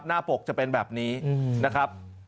ปกจะเป็นแบบนี้นะครับ